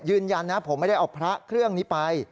ยืนยันนะผมไม่ได้เอาพระเครื่องนี้ไป